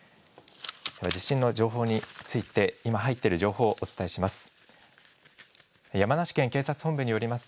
地震の情報について、今、入っている情報をお伝えします。